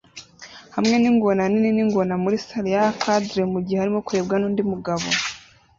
hamwe ningoma nini ningoma muri salle ya arcade mugihe arimo kurebwa nundi mugabo